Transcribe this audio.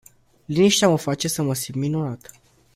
Liniștea mă face să mă simt minunat.